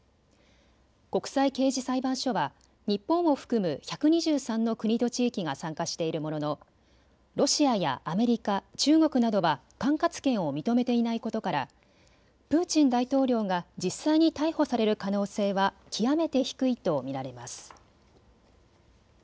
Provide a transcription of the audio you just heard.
国際刑事裁判所は日本を含む１２３の国と地域が参加しているもののロシアやアメリカ、中国などは管轄権を認めていないことからプーチン大統領が実際に逮捕される可能性は極めて低いと見られます。